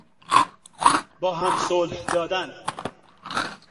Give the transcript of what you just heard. با هم صلح دادن